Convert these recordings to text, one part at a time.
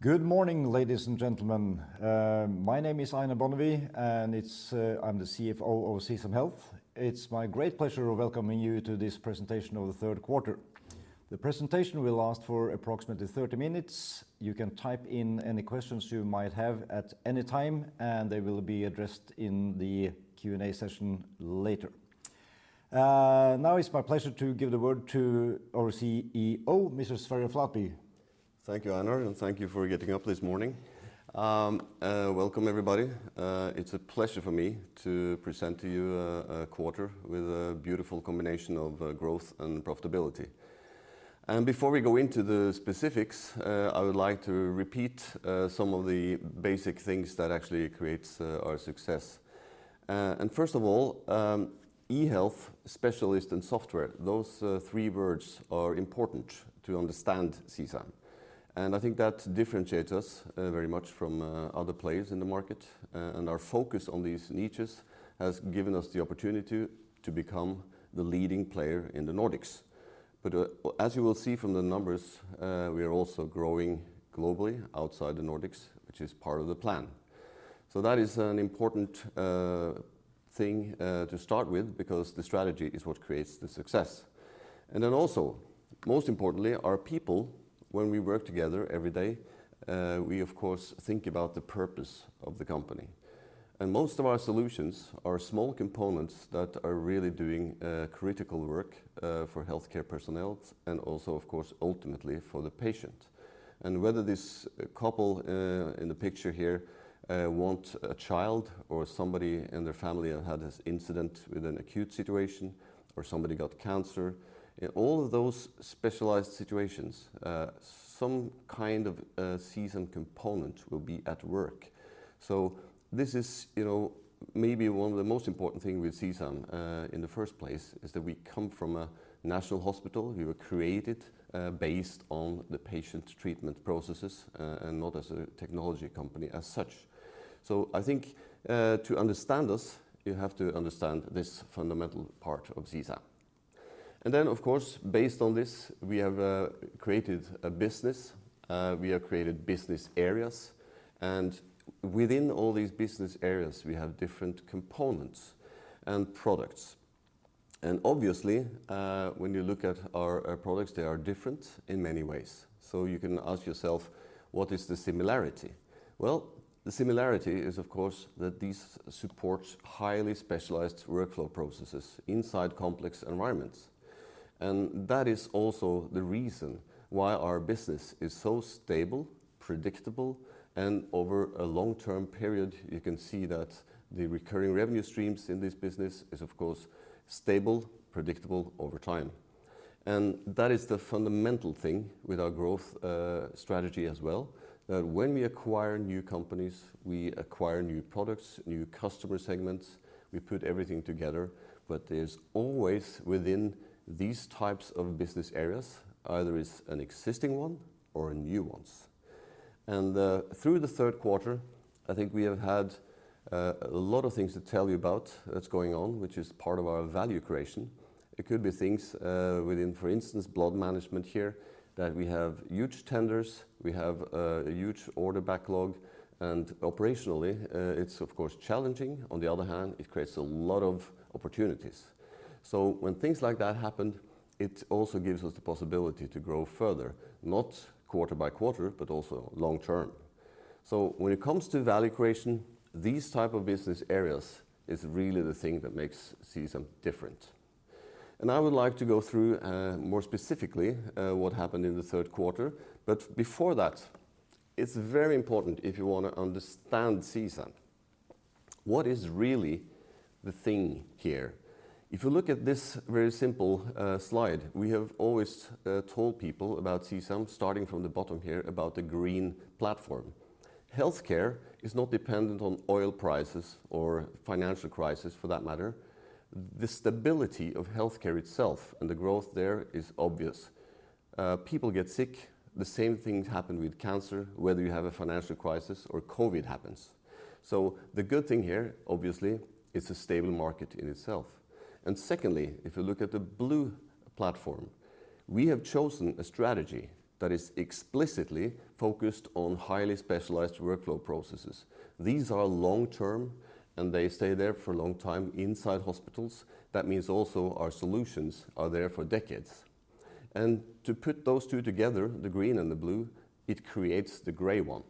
Good morning, ladies and gentlemen. My name is Einar Bonnevie, and I'm the CFO of CSAM Health. It's my great pleasure of welcoming you to this presentation of the third quarter. The presentation will last for approximately 30 minutes. You can type in any questions you might have at any time, and they will be addressed in the Q&A session later. Now it's my pleasure to give the word to our CEO, Mr. Sverre Flatby. Thank you, Einar, and thank you for getting up this morning. Welcome everybody. It's a pleasure for me to present to you a quarter with a beautiful combination of growth and profitability. Before we go into the specifics, I would like to repeat some of the basic things that actually creates our success. eHealth specialist and software, those three words are important to understand CSAM. I think that differentiates us very much from other players in the market. Our focus on these niches has given us the opportunity to become the leading player in the Nordics. As you will see from the numbers, we are also growing globally outside the Nordics, which is part of the plan. That is an important thing to start with because the strategy is what creates the success. Then also, most importantly, our people, when we work together every day, we of course think about the purpose of the company. Most of our solutions are small components that are really doing critical work for healthcare personnel and also, of course, ultimately for the patient. Whether this couple in the picture here want a child or somebody in their family had this incident with an acute situation, or somebody got cancer, in all of those specialized situations, some kind of CSAM component will be at work. This is, you know, maybe one of the most important thing with CSAM in the first place, is that we come from a national hospital. We were created based on the patient treatment processes and not as a technology company as such. I think to understand us, you have to understand this fundamental part of CSAM. Then, of course, based on this, we have created a business, we have created business areas, and within all these business areas, we have different components and products. Obviously when you look at our products, they are different in many ways. You can ask yourself, what is the similarity? Well, the similarity is, of course, that these support highly specialized workflow processes inside complex environments. That is also the reason why our business is so stable, predictable, and over a long-term period, you can see that the recurring revenue streams in this business is of course stable, predictable over time. That is the fundamental thing with our growth strategy as well. When we acquire new companies, we acquire new products, new customer segments, we put everything together. There's always within these types of business areas, either is an existing one or new ones. Through the third quarter, I think we have had a lot of things to tell you about that's going on, which is part of our value creation. It could be things within, for instance, blood management here, that we have huge tenders, we have a huge order backlog, and operationally, it's of course challenging. On the other hand, it creates a lot of opportunities. When things like that happen, it also gives us the possibility to grow further, not quarter by quarter, but also long-term. When it comes to value creation, these type of business areas is really the thing that makes CSAM different. I would like to go through, more specifically, what happened in the third quarter. Before that, it's very important if you wanna understand CSAM, what is really the thing here. If you look at this very simple slide, we have always told people about CSAM, starting from the bottom here, about the green platform. Healthcare is not dependent on oil prices or financial crisis, for that matter. The stability of healthcare itself and the growth there is obvious. People get sick. The same thing happened with cancer, whether you have a financial crisis or COVID happens. The good thing here, obviously, it's a stable market in itself. Secondly, if you look at the blue platform, we have chosen a strategy that is explicitly focused on highly specialized workflow processes. These are long-term, and they stay there for a long time inside hospitals. That means also our solutions are there for decades. To put those two together, the green and the blue, it creates the gray one,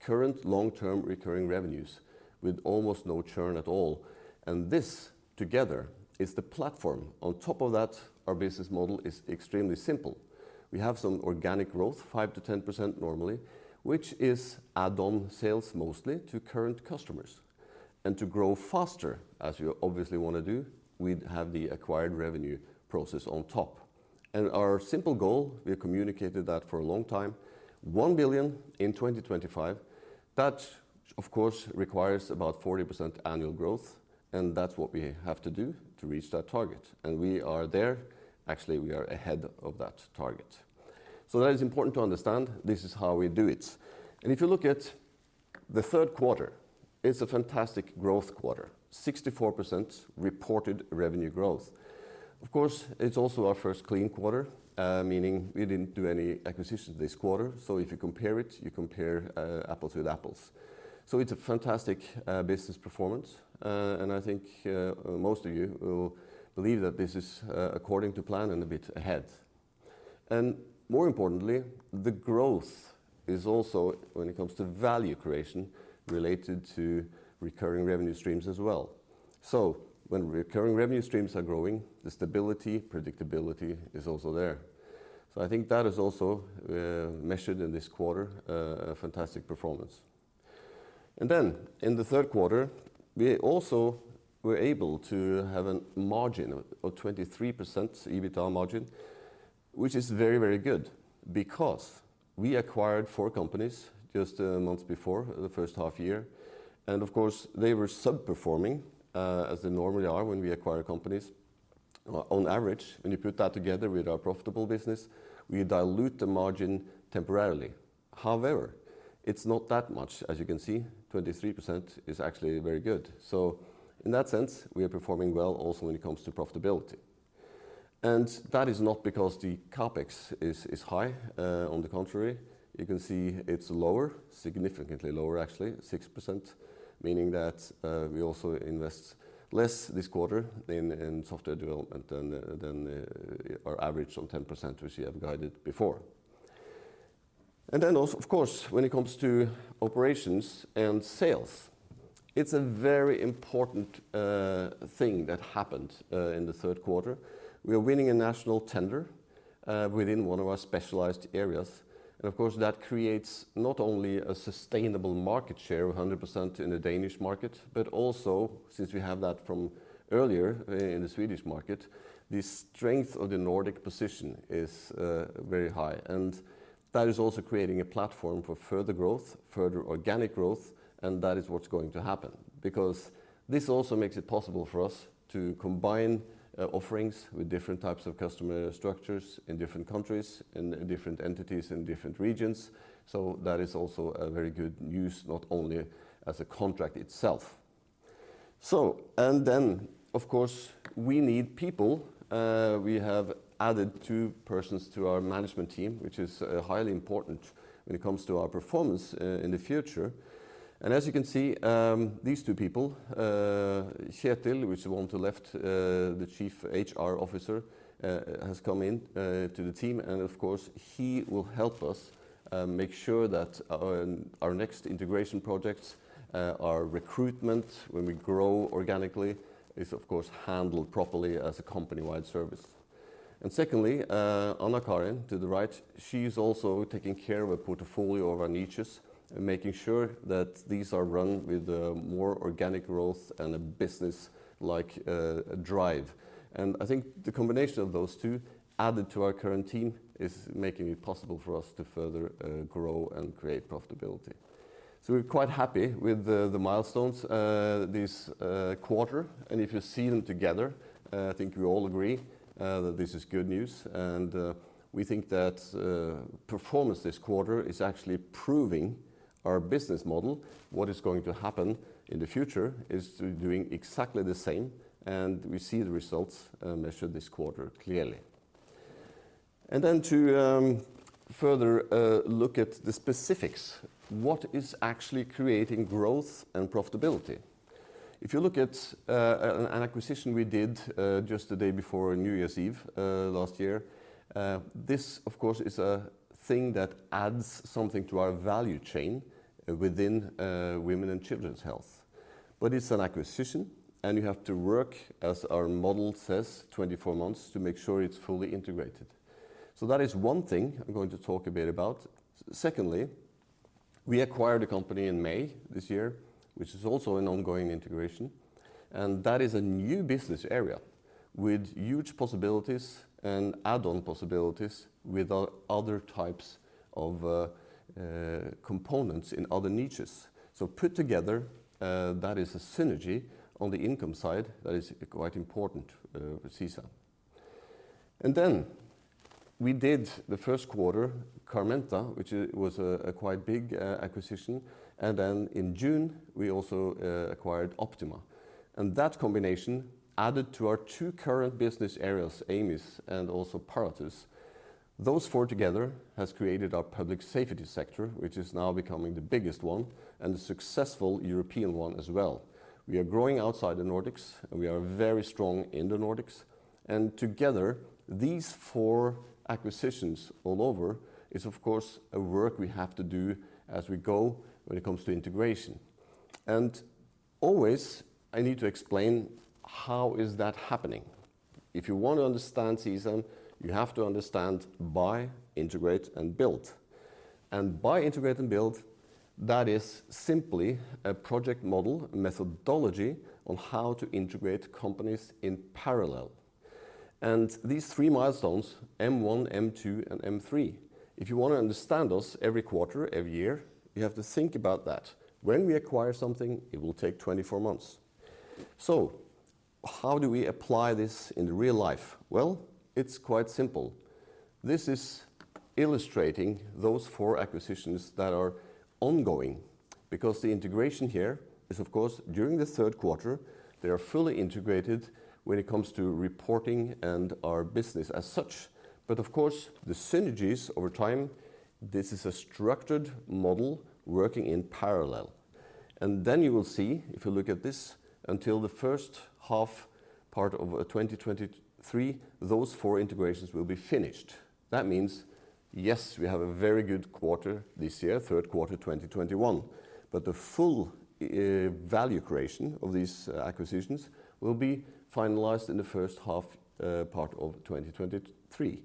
current long-term recurring revenues with almost no churn at all. This together is the platform. On top of that, our business model is extremely simple. We have some organic growth, 5%-10% normally, which is add-on sales mostly to current customers. To grow faster, as you obviously wanna do, we have the acquired revenue process on top. Our simple goal, we have communicated that for a long time, 1 billion in 2025. That, of course, requires about 40% annual growth, and that's what we have to do to reach that target. We are there. Actually, we are ahead of that target. That is important to understand. This is how we do it. If you look at the third quarter is a fantastic growth quarter, 64% reported revenue growth. Of course, it's also our first clean quarter, meaning we didn't do any acquisitions this quarter. If you compare it, you compare apples with apples. It's a fantastic business performance. I think most of you will believe that this is according to plan and a bit ahead. More importantly, the growth is also when it comes to value creation related to recurring revenue streams as well. When recurring revenue streams are growing, the stability, predictability is also there. I think that is also measured in this quarter a fantastic performance. Then in the third quarter, we also were able to have a margin of 23% EBITDA margin, which is very, very good because we acquired four companies just months before the first half year. Of course, they were sub-performing as they normally are when we acquire companies. On average, when you put that together with our profitable business, we dilute the margin temporarily. However, it's not that much. As you can see, 23% is actually very good. In that sense, we are performing well also when it comes to profitability. That is not because the CapEx is high. On the contrary, you can see it's lower, significantly lower actually, 6%, meaning that we also invest less this quarter in software development than our average on 10%, which we have guided before. Also of course, when it comes to operations and sales, it's a very important thing that happened in the third quarter. We are winning a national tender within one of our specialized areas, and of course, that creates not only a sustainable market share of 100% in the Danish market, but also since we have that from earlier in the Swedish market, the strength of the Nordic position is very high. That is also creating a platform for further growth, further organic growth, and that is what's going to happen because this also makes it possible for us to combine offerings with different types of customer structures in different countries, in different entities, in different regions. That is also very good news, not only as a contract itself. Then of course, we need people. We have added two persons to our management team, which is highly important when it comes to our performance in the future. As you can see, these two people, Kjetil, which is the one to the left, the Chief HR Officer, has come in to the team, and of course, he will help us make sure that our next integration projects, our recruitment when we grow organically is of course handled properly as a company-wide service. Secondly, Anna Karin to the right, she's also taking care of a portfolio of our niches and making sure that these are run with more organic growth and a business-like drive. I think the combination of those two added to our current team is making it possible for us to further grow and create profitability. We're quite happy with the milestones this quarter. If you see them together, I think we all agree that this is good news. We think that performance this quarter is actually proving our business model. What is going to happen in the future is doing exactly the same, and we see the results measured this quarter clearly. To further look at the specifics, what is actually creating growth and profitability? If you look at an acquisition we did just the day before New Year's Eve last year, this of course is a thing that adds something to our value chain within women and children's health. But it's an acquisition and you have to work, as our model says, 24 months to make sure it's fully integrated. That is one thing I'm going to talk a bit about. Secondly, we acquired a company in May this year, which is also an ongoing integration, and that is a new business area with huge possibilities and add-on possibilities with other types of components in other niches. Put together, that is a synergy on the income side that is quite important for CSAM. In the first quarter, Carmenta, which was a quite big acquisition. In June we also acquired Optima. That combination added to our two current business areas, AMIS and also Paratus. Those four together has created our public safety sector, which is now becoming the biggest one, and a successful European one as well. We are growing outside the Nordics, and we are very strong in the Nordics. Together, these four acquisitions all over is of course a work we have to do as we go when it comes to integration. Always I need to explain how is that happening. If you want to understand CSAM, you have to understand buy, integrate, and build. Buy, integrate, and build, that is simply a project model methodology on how to integrate companies in parallel. These three milestones, M1, M2, and M3, if you want to understand us every quarter, every year, you have to think about that. When we acquire something, it will take 24 months. So, how do we apply this in real life? Well, it's quite simple. This is illustrating those four acquisitions that are ongoing because the integration here is of course, during the third quarter, they are fully integrated when it comes to reporting and our business as such. Of course, the synergies over time, this is a structured model working in parallel. You will see, if you look at this, until the first half part of 2023, those four integrations will be finished. That means, yes, we have a very good quarter this year, third quarter 2021. The full, value creation of these acquisitions will be finalized in the first half, part of 2023.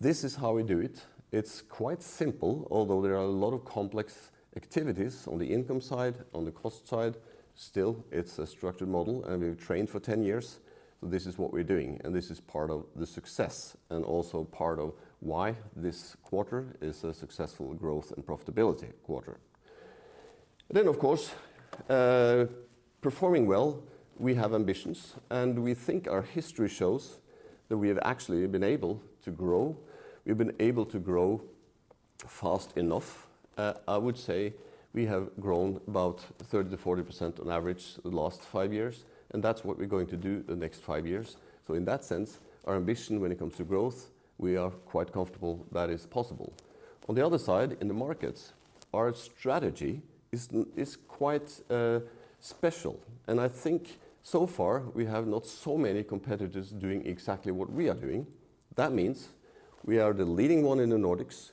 This is how we do it. It's quite simple, although there are a lot of complex activities on the income side, on the cost side. Still, it's a structured model, and we've trained for 10 years. This is what we're doing, and this is part of the success and also part of why this quarter is a successful growth and profitability quarter. Of course, performing well, we have ambitions, and we think our history shows that we have actually been able to grow. We've been able to grow fast enough. I would say we have grown about 30%-40% on average the last 5 years, and that's what we're going to do the next five years. In that sense, our ambition when it comes to growth, we are quite comfortable that is possible. On the other side, in the markets, our strategy is quite special. I think so far we have not so many competitors doing exactly what we are doing. That means we are the leading one in the Nordics.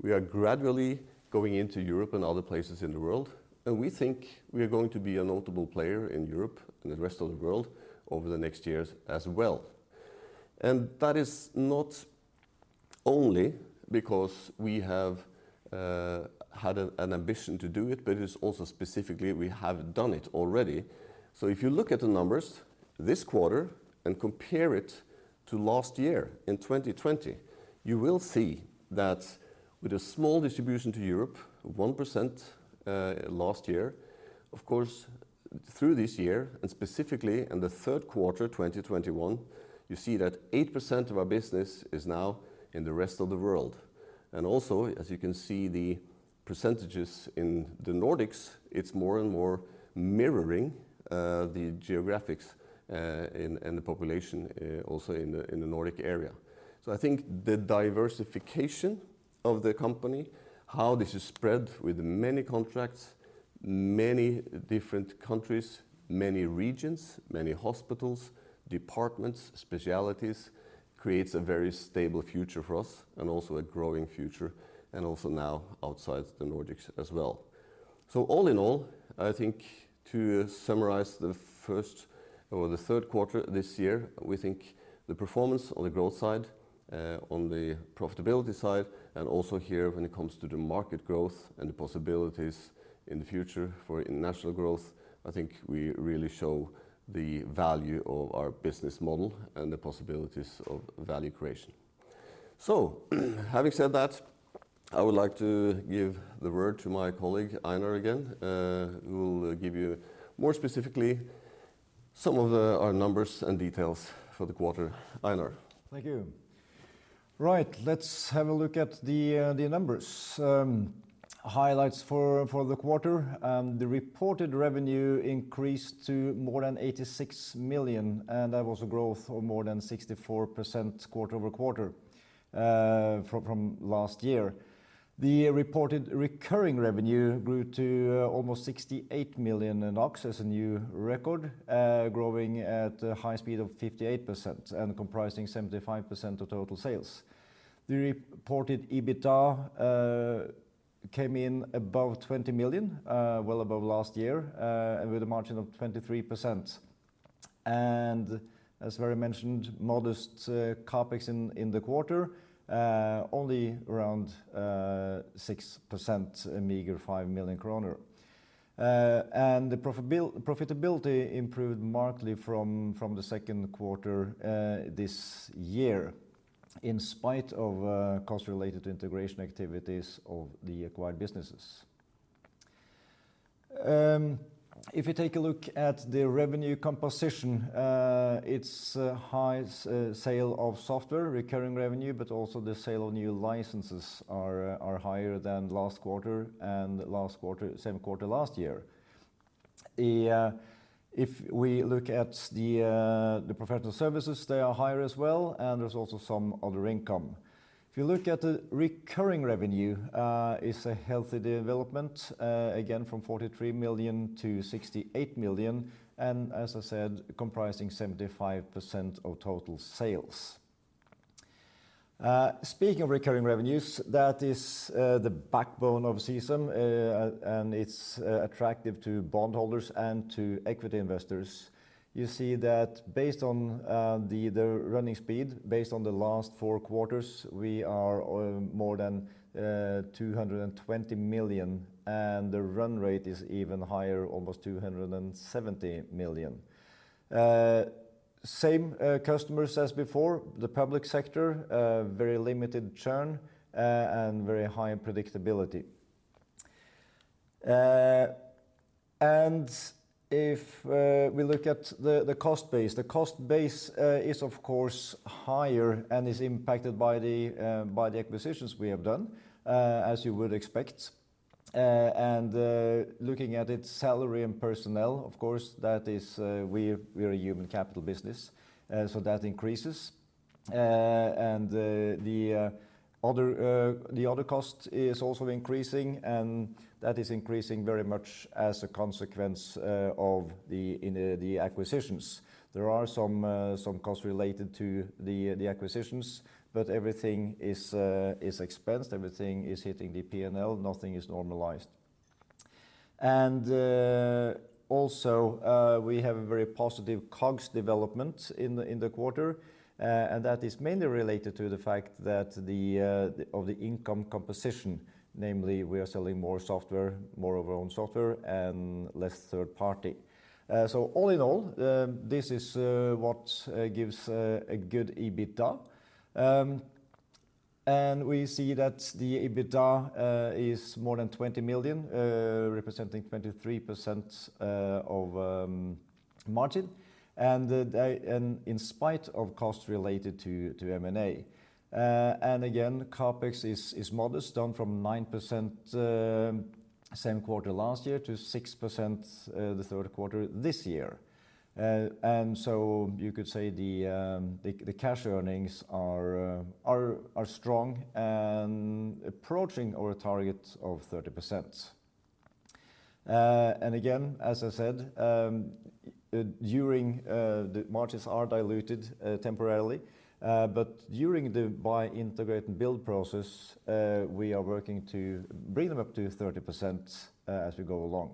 We are gradually going into Europe and other places in the world. We think we are going to be a notable player in Europe and the rest of the world over the next years as well. That is not only because we have had an ambition to do it, but it's also specifically we have done it already. If you look at the numbers this quarter and compare it to last year in 2020, you will see that with a small distribution to Europe, 1%, last year, of course, through this year and specifically in the third quarter, 2021, you see that 8% of our business is now in the rest of the world. Also, as you can see, the percentages in the Nordics, it's more and more mirroring the geographics and the population also in the Nordic area. I think the diversification of the company, how this is spread with many contracts, many different countries, many regions, many hospitals, departments, specialties, creates a very stable future for us and also a growing future and also now outside the Nordics as well. All in all, I think to summarize the first or the third quarter this year, we think the performance on the growth side, on the profitability side, and also here when it comes to the market growth and the possibilities in the future for international growth, I think we really show the value of our business model and the possibilities of value creation. Having said that, I would like to give the word to my colleague, Einar, again, who will give you more specifically some of our numbers and details for the quarter. Einar. Thank you. Right. Let's have a look at the numbers. Highlights for the quarter. The reported revenue increased to more than 86 million, and that was a growth of more than 64% quarter-over-quarter from last year. The reported recurring revenue grew to almost 68 million NOK. That's a new record, growing at a high speed of 58% and comprising 75% of total sales. The reported EBITDA came in above 20 million, well above last year, and with a margin of 23%. As Sverre mentioned, modest CapEx in the quarter, only around 6%, a meager 5 million kroner. The profitability improved markedly from the second quarter this year in spite of costs related to integration activities of the acquired businesses. If you take a look at the revenue composition, its highest sale of software, recurring revenue, but also the sale of new licenses are higher than last quarter and last quarter, same quarter last year. If we look at the professional services, they are higher as well, and there's also some other income. If you look at the recurring revenue, it's a healthy development, again from 43 million-68 million, and as I said, comprising 75% of total sales. Speaking of recurring revenues, that is the backbone of CSAM, and it's attractive to bondholders and to equity investors. You see that based on the run rate, based on the last four quarters, we are more than 220 million, and the run rate is even higher, almost 270 million. Same customers as before, the public sector, a very limited churn, and very high predictability. If we look at the cost base, the cost base is of course higher and is impacted by the acquisitions we have done, as you would expect. Looking at its salary and personnel, of course, that is, we're a human capital business, so that increases. The other cost is also increasing, and that is increasing very much as a consequence of the acquisitions. There are some costs related to the acquisitions, but everything is expensed, everything is hitting the P&L, nothing is normalized. Also, we have a very positive COGS development in the quarter, and that is mainly related to the fact that of the income composition, namely we are selling more software, more of our own software and less third party. All in all, this is what gives a good EBITDA. We see that the EBITDA is more than 20 million, representing 23% of margin, and in spite of costs related to M&A. Again, CapEx is modest, down from 9%, same quarter last year, to 6%, the third quarter this year. You could say the cash earnings are strong and approaching our target of 30%. Again, as I said, the margins are diluted temporarily, but during the buy, integrate and build process, we are working to bring them up to 30% as we go along.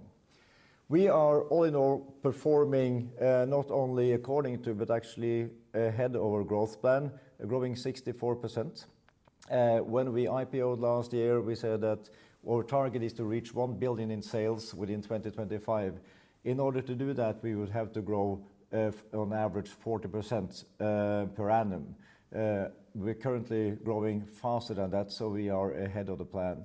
We are all in all performing not only according to, but actually ahead of our growth plan, growing 64%. When we IPO-ed last year, we said that our target is to reach 1 billion in sales within 2025. In order to do that, we would have to grow on average 40% per annum. We're currently growing faster than that, we are ahead of the plan.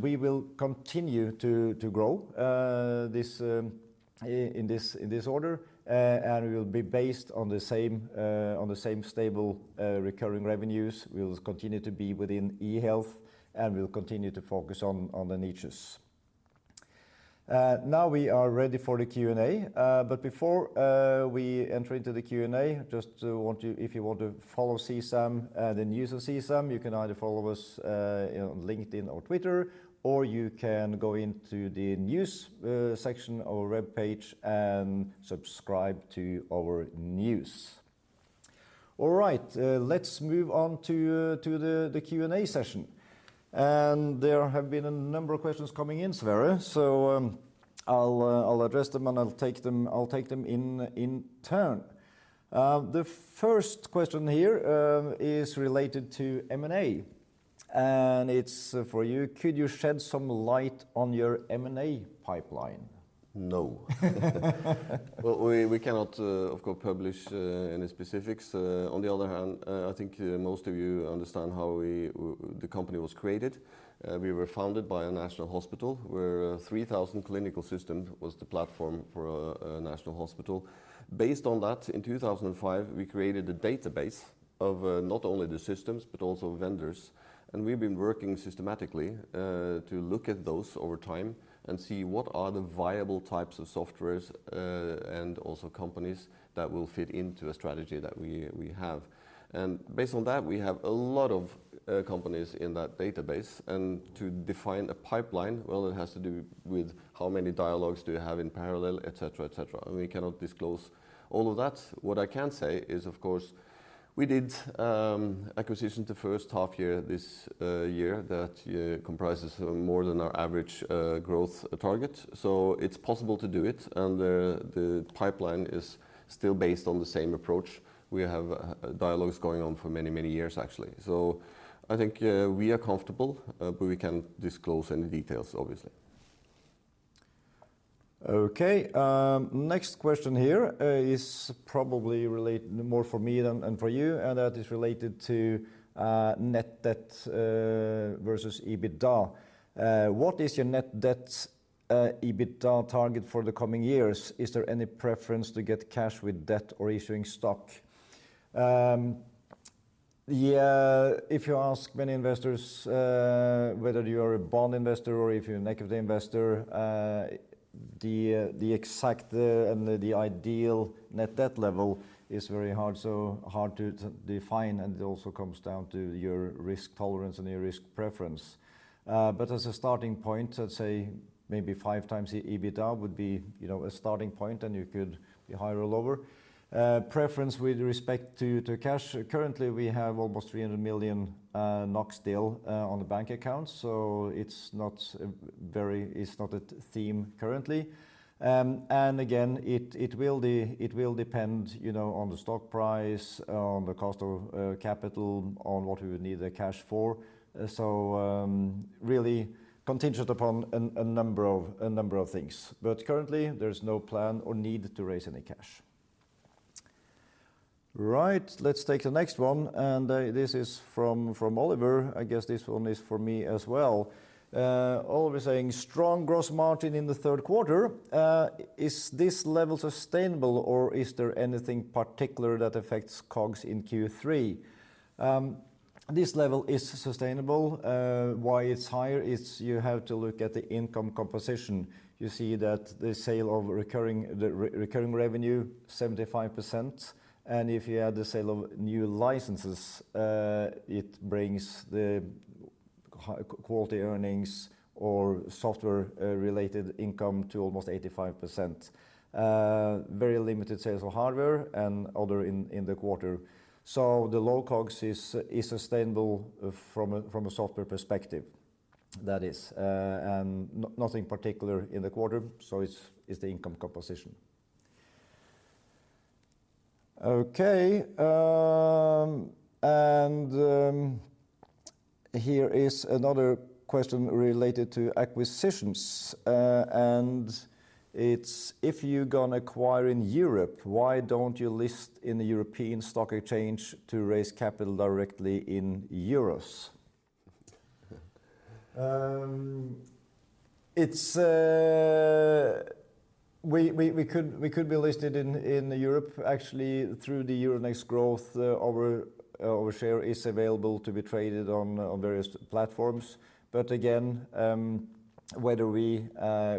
We will continue to grow this in this order, and we will be based on the same stable recurring revenues. We'll continue to be within eHealth, and we'll continue to focus on the niches. Now we are ready for the Q&A. Before we enter into the Q&A, just want to, if you want to follow CSAM and the news of CSAM, you can either follow us on LinkedIn or Twitter, or you can go into the news section of our web page and subscribe to our news. All right. Let's move on to the Q&A session. There have been a number of questions coming in, Sverre, so I'll address them and I'll take them in turn. The first question here is related to M&A, and it's for you. Could you shed some light on your M&A pipeline? No. Well, we cannot, of course, publish any specifics. On the other hand, I think most of you understand how we the company was created. We were founded by a national hospital, where 3,000 clinical system was the platform for a national hospital. Based on that, in 2005, we created a database of not only the systems, but also vendors. We've been working systematically to look at those over time and see what are the viable types of softwares and also companies that will fit into a strategy that we have. Based on that, we have a lot of companies in that database. To define a pipeline, well, it has to do with how many dialogues do you have in parallel, et cetera, et cetera. We cannot disclose all of that. What I can say is, of course, we did acquisition the first half year this year that comprises more than our average growth target. It's possible to do it. The pipeline is still based on the same approach. We have dialogues going on for many, many years, actually. I think we are comfortable, but we can't disclose any details, obviously. Okay. Next question here is probably relate more for me than for you, and that is related to net debt versus EBITDA. What is your net debt EBITDA target for the coming years? Is there any preference to get cash with debt or issuing stock? Yeah, if you ask many investors whether you are a bond investor or if you're an equity investor, the exact and the ideal net debt level is very hard, so hard to define, and it also comes down to your risk tolerance and your risk preference. As a starting point, I'd say maybe 5x EBITDA would be, you know, a starting point, and you could be higher or lower. Preference with respect to cash. Currently, we have almost 300 million NOK still on the bank account, so it's not very, it's not a theme currently. Again, it will depend, you know, on the stock price, on the cost of capital, on what we would need the cash for. Really contingent upon a number of things. Currently, there's no plan or need to raise any cash. Right. Let's take the next one, this is from Oliver. I guess this one is for me as well. Oliver saying, Strong gross margin in the third quarter. Is this level sustainable, or is there anything particular that affects COGS in Q3? This level is sustainable. Why it's higher, it's you have to look at the income composition. You see that the sale of recurring revenue, 75%, and if you add the sale of new licenses, it brings the quality earnings or software-related income to almost 85%. Very limited sales of hardware and other income in the quarter. The low COGS is sustainable from a software perspective, that is, and nothing particular in the quarter. It's the income composition. Okay, here is another question related to acquisitions, and it's, If you're gonna acquire in Europe, why don't you list in the European stock exchange to raise capital directly in euros? It's. We could be listed in Europe. Actually, through the Euronext Growth, our share is available to be traded on various platforms. Again, whether we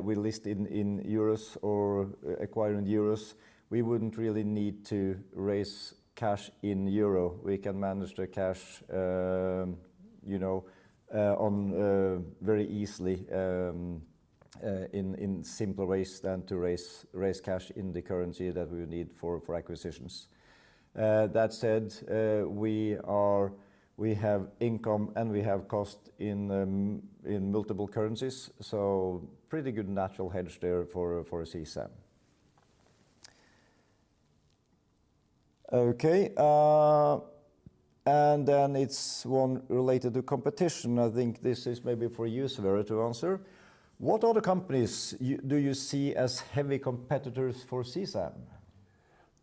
list in euros or acquire in euros, we wouldn't really need to raise cash in euro. We can manage the cash, you know, very easily in simpler ways than to raise cash in the currency that we would need for acquisitions. That said, we have income, and we have cost in multiple currencies, so pretty good natural hedge there for CSAM. Okay, and then it's one related to competition. I think this is maybe for you, Sverre, to answer. What other companies do you see as heavy competitors for CSAM?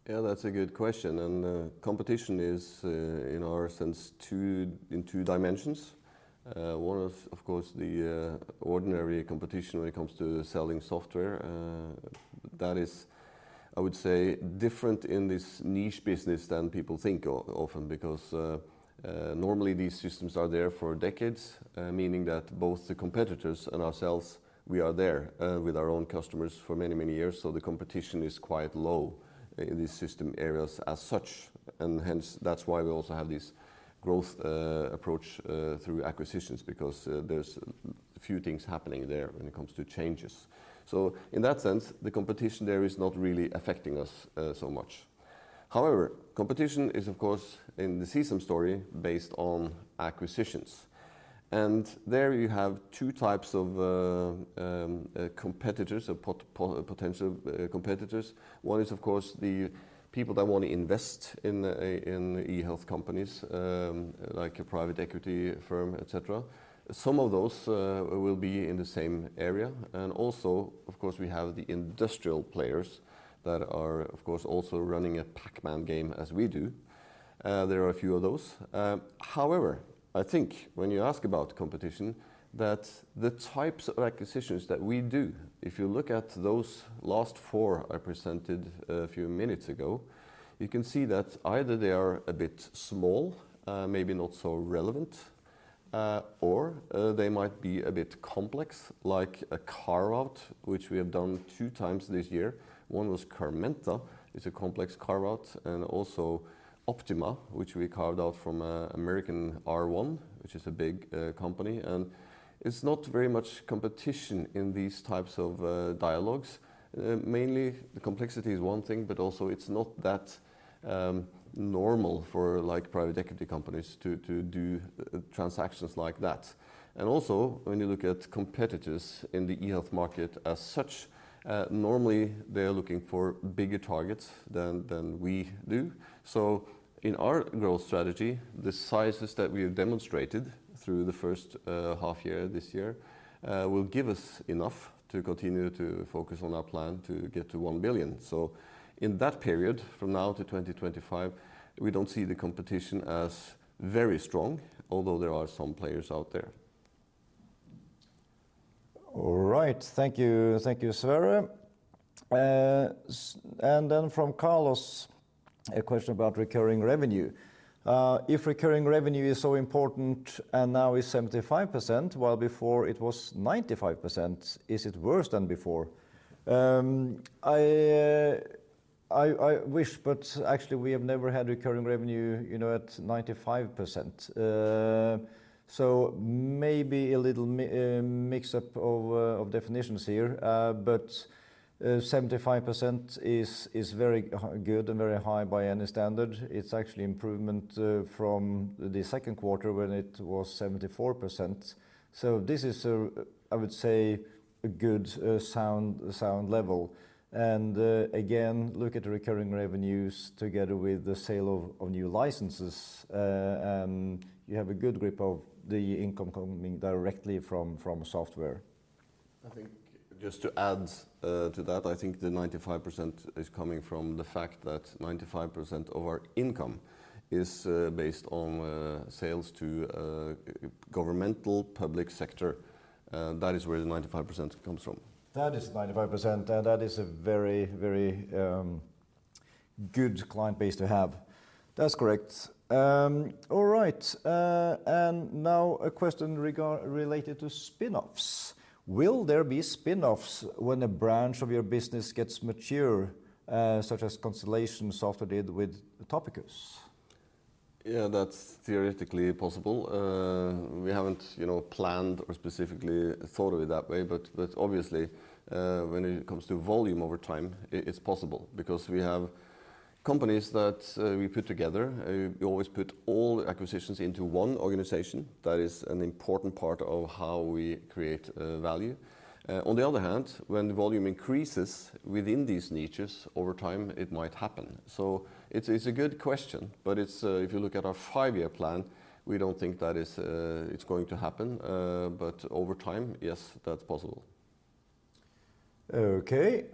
Yeah, that's a good question. Competition is in our sense two, in two dimensions. One is, of course, the ordinary competition when it comes to selling software. That is, I would say, different in this niche business than people think often because normally these systems are there for decades, meaning that both the competitors and ourselves, we are there with our own customers for many years. The competition is quite low in these system areas as such, and hence that's why we also have this growth approach through acquisitions because there's few things happening there when it comes to changes. In that sense, the competition there is not really affecting us so much. However, competition is of course in the CSAM story based on acquisitions. There you have two types of competitors or potential competitors. One is of course the people that wanna invest in eHealth companies, like a private equity firm, et cetera. Some of those will be in the same area. Also, of course, we have the industrial players that are of course also running a Pac-Man game as we do. There are a few of those. However, I think when you ask about competition, that the types of acquisitions that we do, if you look at those last four I presented a few minutes ago, you can see that either they are a bit small, maybe not so relevant, or they might be a bit complex, like a carve-out, which we have done two times this year. One was Carmenta. It's a complex carve-out, and also Optima, which we carved out from, R1 RCM, which is a big company. It's not very much competition in these types of dialogues. Mainly the complexity is one thing, but also it's not that normal for, like, private equity companies to do transactions like that. Also, when you look at competitors in the eHealth market as such, normally they are looking for bigger targets than we do. In our growth strategy, the sizes that we have demonstrated through the first half year this year will give us enough to continue to focus on our plan to get to 1 billion. In that period, from now to 2025, we don't see the competition as very strong, although there are some players out there. All right. Thank you. Thank you, Sverre. And then from Carlos, a question about recurring revenue. If recurring revenue is so important and now is 75%, while before it was 95%, is it worse than before? I wish, but actually we have never had recurring revenue, you know, at 95%. So maybe a little mix-up of definitions here. But 75% is very good and very high by any standard. It's actually improvement from the second quarter when it was 74%. This is, I would say, a good sound level. Again, look at the recurring revenues together with the sale of new licenses, and you have a good grip of the income coming directly from software. I think just to add to that, I think the 95% is coming from the fact that 95% of our income is based on sales to governmental public sector. That is where the 95% comes from. That is 95%, and that is a very, very good client base to have. That's correct. All right. Now a question related to spin-offs. Will there be spin-offs when a branch of your business gets mature, such as Constellation Software did with Topicus? Yeah, that's theoretically possible. We haven't, you know, planned or specifically thought of it that way, but obviously, when it comes to volume over time, it's possible because we have companies that we put together. We always put all acquisitions into one organization. That is an important part of how we create value. On the other hand, when the volume increases within these niches over time, it might happen. It's a good question, but if you look at our five-year plan, we don't think that is going to happen. Over time, yes, that's possible. Okay.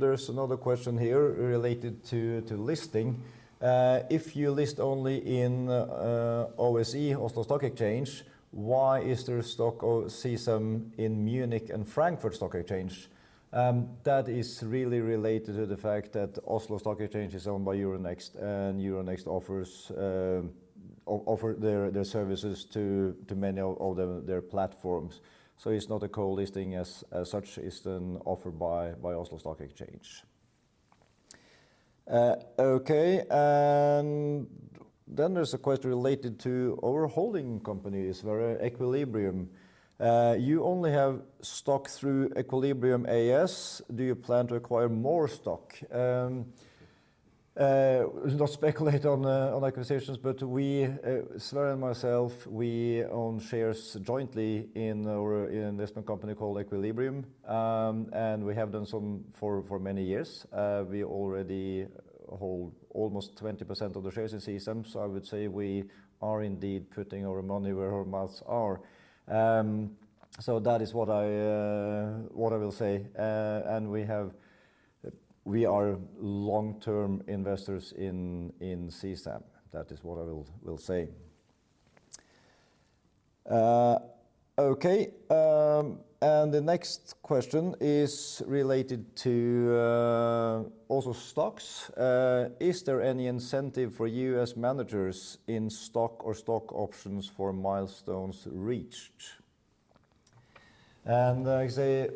There's another question here related to listing. If you list only in OSE, Oslo Stock Exchange, why is there a stock of CSAM in Munich and Frankfurt Stock Exchange? That is really related to the fact that Oslo Stock Exchange is owned by Euronext, and Euronext offers their services to many of their platforms. So it's not a co-listing as such. It's then offered by Oslo Stock Exchange. Okay. Then there's a question related to our holding companies, where Equilibrium. You only have stock through Equilibrium AS. Do you plan to acquire more stock? Let's not speculate on acquisitions, but we, Sverre and myself, we own shares jointly in our investment company called Equilibrium. We have done so for many years. We already hold almost 20% of the shares in CSAM, so I would say we are indeed putting our money where our mouths are. That is what I will say. We are long-term investors in CSAM. That is what I will say. Okay. The next question is related to also stocks. Is there any incentive for you as managers in stock or stock options for milestones reached? Like I say,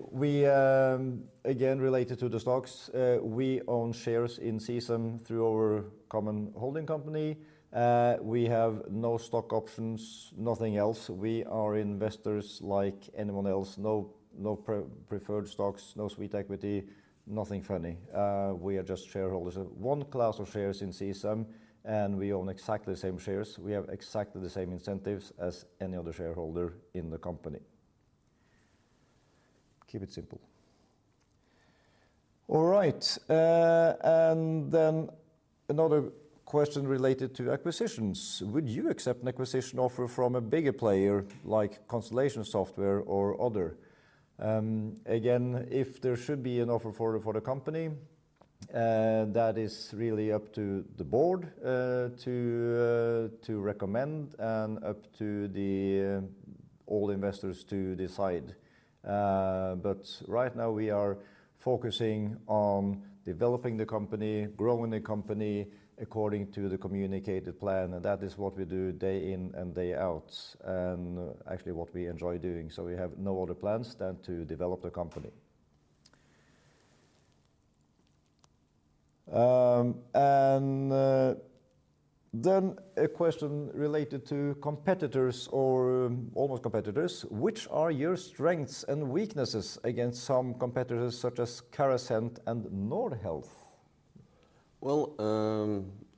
again related to the stocks, we own shares in CSAM through our common holding company. We have no stock options, nothing else. We are investors like anyone else. No preferred stocks, no sweet equity, nothing funny. We are just shareholders. One class of shares in CSAM, and we own exactly the same shares. We have exactly the same incentives as any other shareholder in the company. Keep it simple. All right. Another question related to acquisitions. Would you accept an acquisition offer from a bigger player like Constellation Software or other? Again, if there should be an offer for the company, that is really up to the board to recommend and up to all investors to decide. But right now we are focusing on developing the company, growing the company according to the communicated plan, and that is what we do day in and day out, and actually what we enjoy doing. We have no other plans than to develop the company. A question related to competitors or almost competitors. Which are your strengths and weaknesses against some competitors such as Carasent and Nordhealth? Well,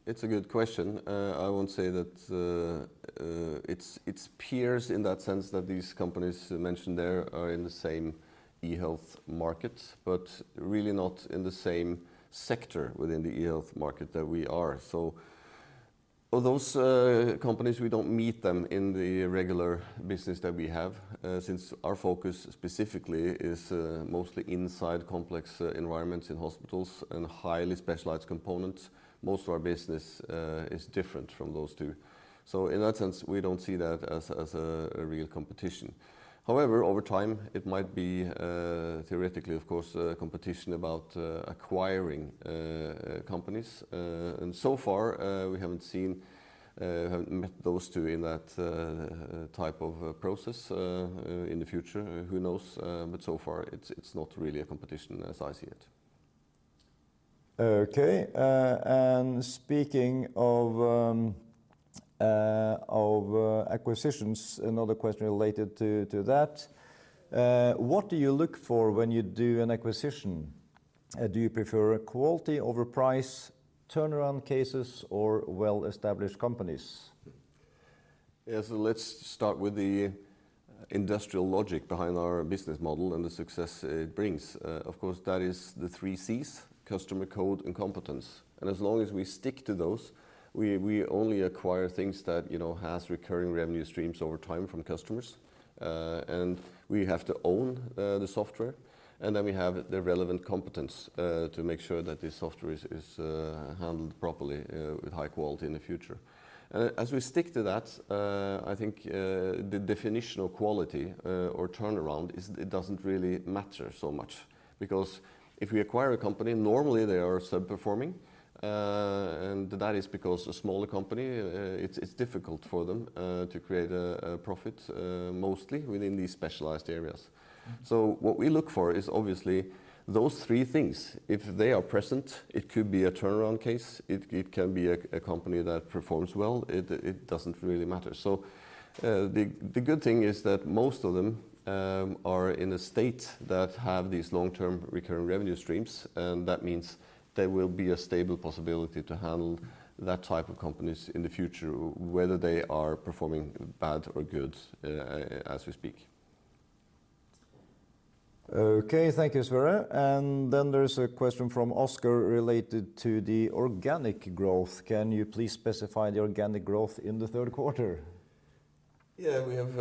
it's a good question. I would say that it's peers in that sense that these companies mentioned there are in the same eHealth market, but really not in the same sector within the eHealth market that we are. Those companies, we don't meet them in the regular business that we have, since our focus specifically is mostly inside complex environments in hospitals and highly specialized components. Most of our business is different from those two. In that sense, we don't see that as a real competition. However, over time, it might be theoretically, of course, a competition about acquiring companies. So far, we haven't met those two in that type of process in the future. Who knows? So far, it's not really a competition as I see it. Okay. Speaking of acquisitions, another question related to that. What do you look for when you do an acquisition? Do you prefer quality over price, turnaround cases or well-established companies? Yeah, let's start with the industrial logic behind our business model and the success it brings. Of course, that is the three Cs, customer, code, and competence. As long as we stick to those, we only acquire things that, you know, has recurring revenue streams over time from customers. And we have to own the software, and then we have the relevant competence to make sure that this software is handled properly with high quality in the future. As we stick to that, I think the definition of quality or turnaround is it doesn't really matter so much because if we acquire a company, normally they are sub-performing, and that is because a smaller company it's difficult for them to create a profit mostly within these specialized areas. What we look for is obviously those three things. If they are present, it could be a turnaround case. It can be a company that performs well. It doesn't really matter. The good thing is that most of them are in a state that have these long-term recurring revenue streams, and that means there will be a stable possibility to handle that type of companies in the future, whether they are performing bad or good, as we speak. Okay. Thank you, Sverre. There's a question from Oscar related to the organic growth. Can you please specify the organic growth in the third quarter? Yeah, we have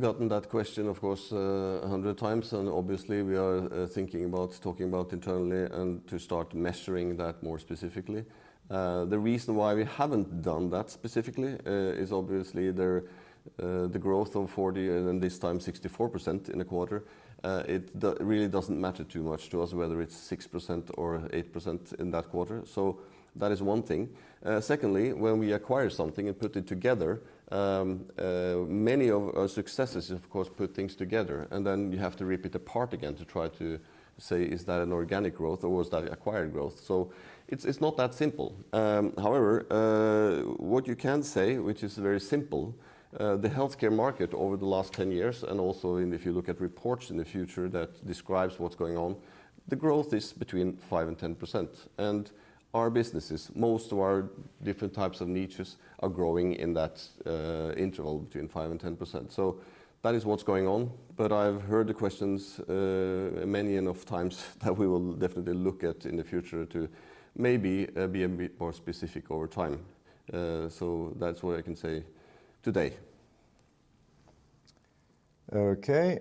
gotten that question, of course, 100 times, and obviously we are thinking about talking about internally and to start measuring that more specifically. The reason why we haven't done that specifically is obviously there, the growth of 40 and then this time 64% in a quarter, it really doesn't matter too much to us whether it's 6% or 8% in that quarter. That is one thing. Secondly, when we acquire something and put it together, many of our successes of course put things together, and then you have to rip it apart again to try to say, "Is that an organic growth or was that acquired growth?" It's not that simple. However, what you can say, which is very simple, the healthcare market over the last 10 years and also if you look at reports in the future that describes what's going on, the growth is between 5%-10%. Our businesses, most of our different types of niches are growing in that interval between 5%-10%. That is what's going on. I've heard the questions many enough times that we will definitely look at in the future to maybe be a bit more specific over time. That's what I can say today. Okay.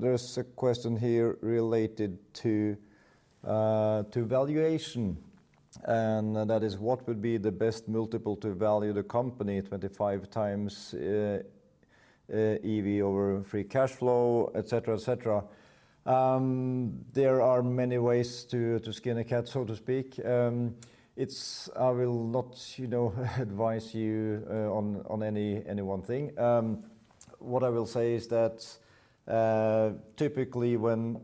There's a question here related to valuation, and that is: What would be the best multiple to value the company 25 times EV over free cash flow, et cetera, et cetera? There are many ways to skin a cat, so to speak. I will not, you know, advise you on any one thing. What I will say is that typically when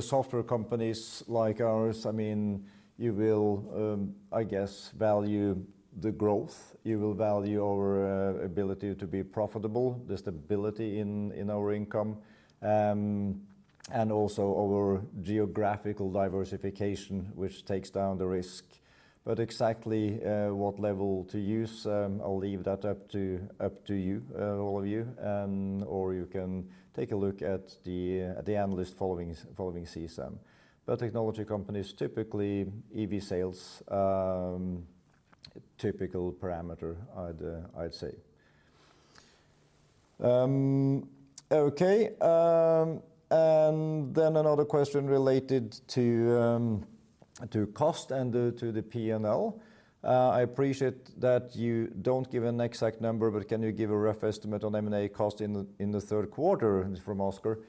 software companies like ours, I mean, you will, I guess, value the growth. You will value our ability to be profitable, the stability in our income, and also our geographical diversification, which takes down the risk. Exactly what level to use, I'll leave that up to you all of you, or you can take a look at the analyst following CSAM. Technology companies typically EV sales typical parameter I'd say. Okay. Another question related to cost and to the P&L. I appreciate that you don't give an exact number, but can you give a rough estimate on M&A cost in the third quarter? This is from Oscar.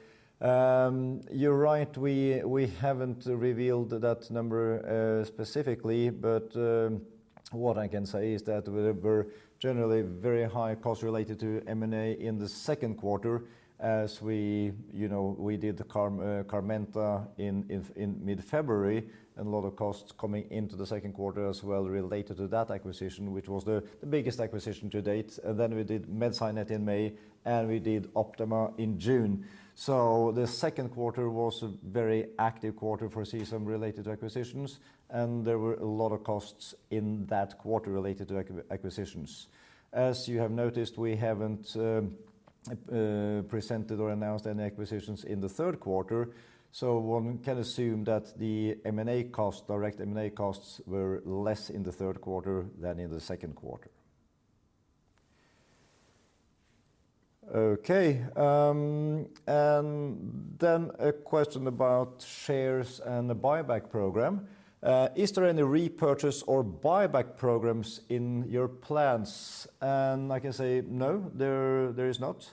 You're right, we haven't revealed that number specifically, but what I can say is that there were generally very high costs related to M&A in the second quarter as we, you know, did the Carmenta in mid-February, and a lot of costs coming into the second quarter as well related to that acquisition, which was the biggest acquisition to date. Then we did MedSciNet in May, and we did Optima in June. The second quarter was a very active quarter for CSAM-related acquisitions, and there were a lot of costs in that quarter related to acquisitions. As you have noticed, we haven't presented or announced any acquisitions in the third quarter, so one can assume that the M&A cost, direct M&A costs were less in the third quarter than in the second quarter. Okay. A question about shares and the buyback program. Is there any repurchase or buyback programs in your plans? I can say no, there is not.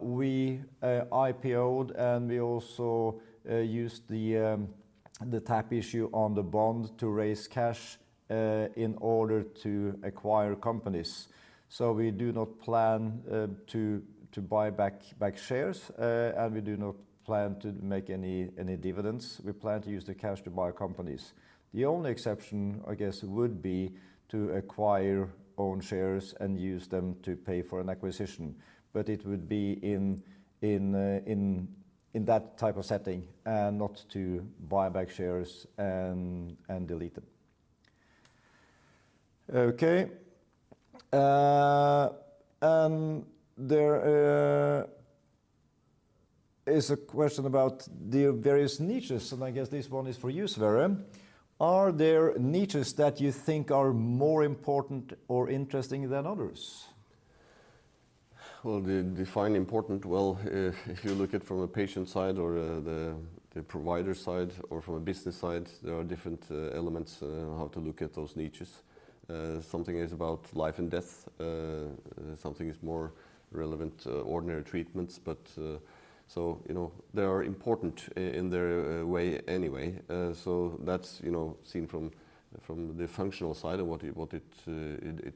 We IPO'd and we also used the tap issue on the bond to raise cash in order to acquire companies. We do not plan to buy back shares, and we do not plan to make any dividends. We plan to use the cash to buy companies. The only exception, I guess, would be to acquire own shares and use them to pay for an acquisition, but it would be in that type of setting and not to buy back shares and delete them. Okay. There is a question about the various niches, and I guess this one is for you, Sverre. Are there niches that you think are more important or interesting than others? Well, define important. If you look at from a patient side or the provider side or from a business side, there are different elements on how to look at those niches. Something is about life and death, something is more relevant, ordinary treatments. You know, they are important in their way anyway. That's, you know, seen from the functional side of what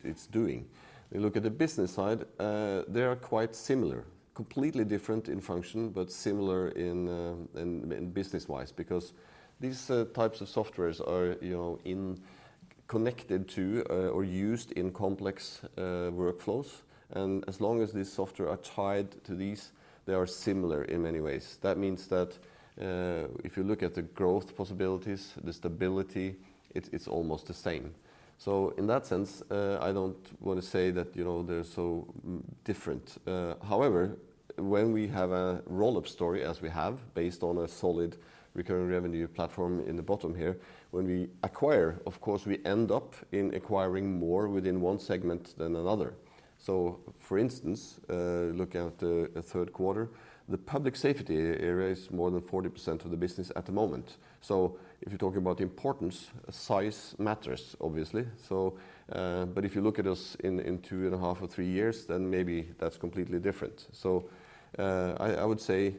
it's doing. If you look at the business side, they are quite similar. Completely different in function, but similar in business wise, because these types of softwares are, you know, connected to or used in complex workflows. As long as these software are tied to these, they are similar in many ways. That means that, if you look at the growth possibilities, the stability, it's almost the same. In that sense, I don't want to say that, you know, they're so different. However, when we have a roll-up story, as we have, based on a solid recurring revenue platform in the bottom here, when we acquire, of course, we end up in acquiring more within one segment than another. For instance, looking at the third quarter, the Public Safety area is more than 40% of the business at the moment. If you're talking about importance, size matters, obviously. But if you look at us in two and a half or three years, then maybe that's completely different. I would say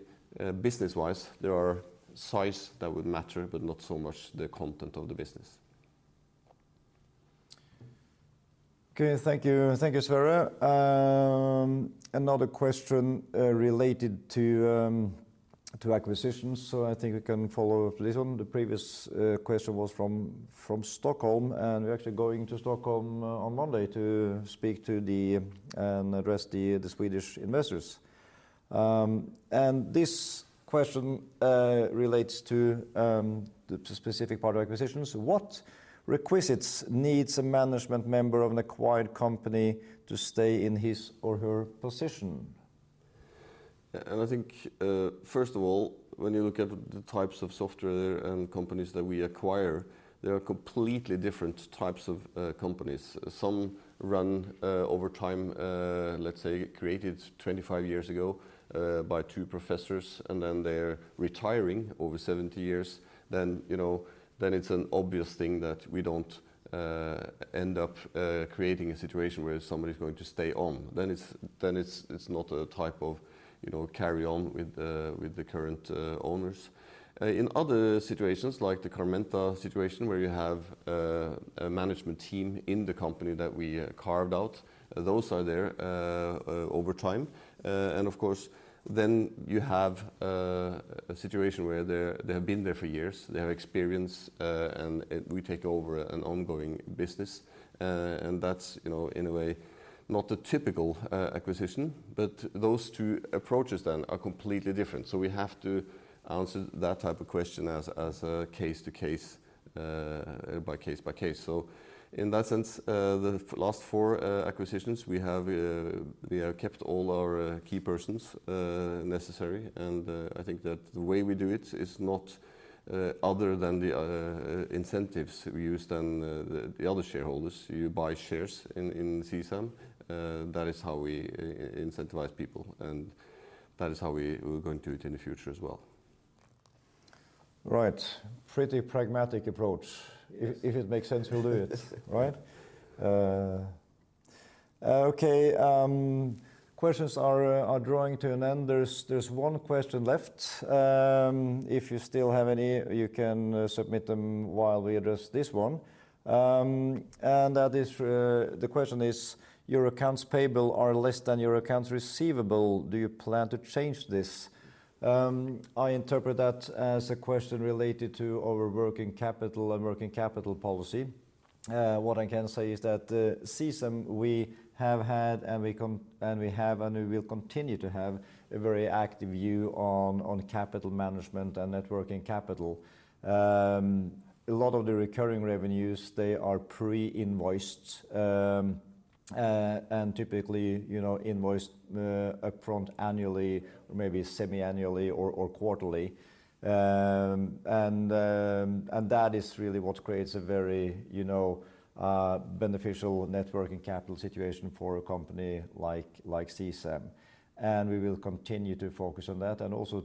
business-wise, there are size that would matter, but not so much the content of the business. Okay. Thank you. Thank you, Sverre. Another question related to acquisitions. I think we can follow up a little. The previous question was from Stockholm, and we're actually going to Stockholm on Monday to speak to and address the Swedish investors. This question relates to the specific part of acquisitions. What prerequisites does a management member of an acquired company need to stay in his or her position? I think first of all, when you look at the types of software and companies that we acquire, they are completely different types of companies. Some run over time, let's say created 25 years ago by two professors and then they're retiring over 70 years, you know it's an obvious thing that we don't end up creating a situation where somebody's going to stay on. It's not a type of, you know, carry on with the current owners. In other situations, like the Carmenta situation, where you have a management team in the company that we carved out, those are there over time. Of course, then you have a situation where they have been there for years, they have experience, and we take over an ongoing business. That's, you know, in a way not a typical acquisition, but those two approaches are completely different. We have to answer that type of question as a case by case. In that sense, the last four acquisitions we have kept all our key persons necessary. I think that the way we do it is not other than the incentives we use as the other shareholders. You buy shares in CSAM. That is how we incentivize people, and that is how we're going to do it in the future as well. Right. Pretty pragmatic approach. Yes. If it makes sense, we'll do it. Right? Okay. Questions are drawing to an end. There's one question left. If you still have any, you can submit them while we address this one. That is, the question is, your accounts payable are less than your accounts receivable. Do you plan to change this? I interpret that as a question related to our working capital and working capital policy. What I can say is that, CSAM, we have had and we will continue to have a very active view on capital management and net working capital. A lot of the recurring revenues, they are pre-invoiced, and typically, you know, invoiced upfront annually or maybe semi-annually or quarterly. That is really what creates a very, you know, beneficial net working capital situation for a company like CSAM. We will continue to focus on that and also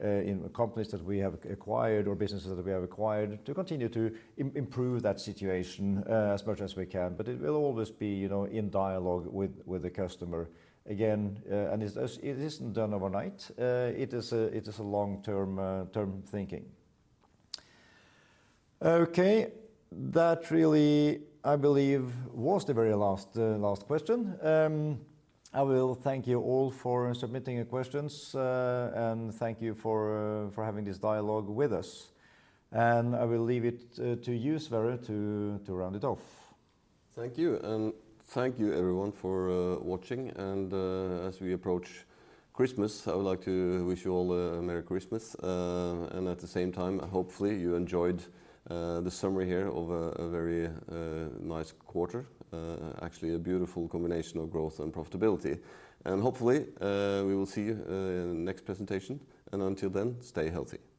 in companies that we have acquired or businesses that we have acquired to continue to improve that situation, as much as we can. It will always be, you know, in dialogue with the customer again. It isn't done overnight. It is a long-term thinking. Okay. That really, I believe, was the very last question. I will thank you all for submitting your questions and thank you for having this dialogue with us. I will leave it to you, Sverre, to round it off. Thank you. Thank you everyone for watching. As we approach Christmas, I would like to wish you all a Merry Christmas. At the same time, hopefully you enjoyed the summary here of a very nice quarter, actually a beautiful combination of growth and profitability. Hopefully, we will see you in the next presentation. Until then, stay healthy.